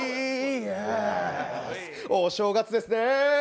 お正月ですね。